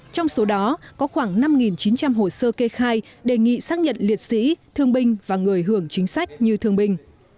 trong số đó có khoảng năm chín trăm linh hồ sơ kê khai đề nghị xác nhận liệt sĩ thương binh và người hưởng chính sách như thương binh